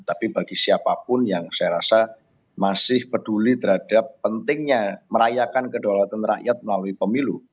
tapi bagi siapapun yang saya rasa masih peduli terhadap pentingnya merayakan kedaulatan rakyat melalui pemilu